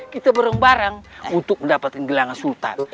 kita bareng bareng untuk mendapatkan gelangan sultan